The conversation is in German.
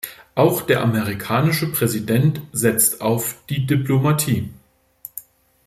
Auch der amerikanische Präsident setzt auf die Diplomatie.